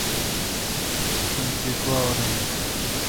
می تی گوا اُوران تھال۔